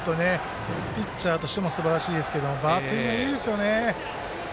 ピッチャーとしてもすばらしいですけどバッティングがいいですよね。